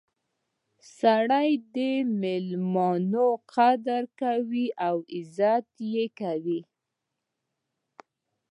سړی د میلمنو قدر کاوه او عزت یې کاوه.